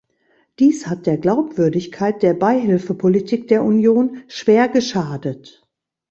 Dies hat der Glaubwürdigkeit der Beihilfepolitik der Union schwer geschadet.